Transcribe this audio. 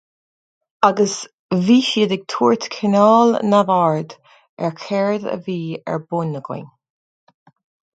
Agus bhí siad ag tabhairt cineál neamhaird ar céard a bhí ar bun againn.